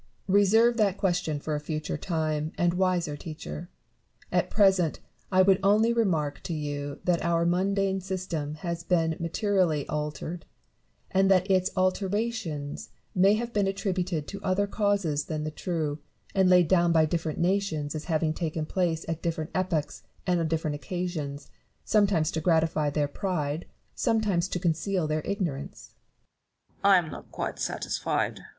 Reserve that question for a future time and a ■wiser teacher. At present, I would only remark to you that our mundane system has been materially altered ; and that its alterations may have been attributed to other causes than the true, and laid down by difierent nations as having taken place at different epochs and on different occasions, some times to gratify their pride, sometimes to conceal their ignorance. Newton. I am not quite satisfied. Barrow.